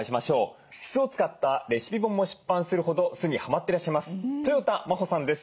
酢を使ったレシピ本も出版するほど酢にはまってらっしゃいますとよた真帆さんです。